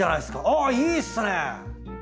あいいっすね！